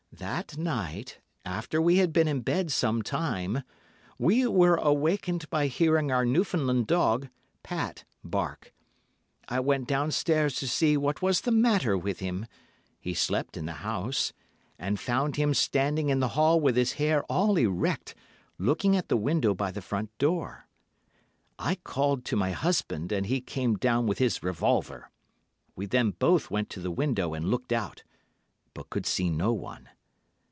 "That night, after we had been in bed some time, we were awakened by hearing our Newfoundland dog, Pat, bark. I went downstairs to see what was the matter with him—he slept in the house—and found him standing in the hall with his hair all erect, looking at the window by the front door. "I called to my husband, and he came down with his revolver. We then both went to the window and looked out, but could see no one.